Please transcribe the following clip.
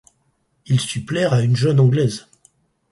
Il sut plaire à une jeune anglaise.